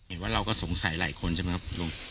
เห็นว่าเราก็สงสัยหลายคนใช่ไหมครับลุง